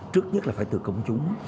trước nhất là phải từ công chúng